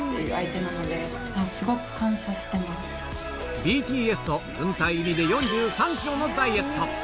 ＢＴＳと軍隊入りで４３ｋｇのダイエット